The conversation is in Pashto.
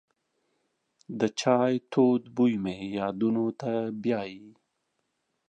د چای تود بوی مې یادونو ته بیایي.